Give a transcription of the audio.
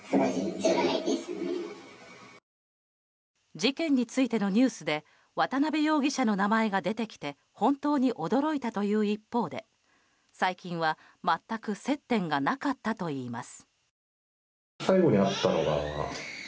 事件についてのニュースで渡邉容疑者の名前が出てきて本当に驚いたという一方で最近は全く接点がなかったといいます。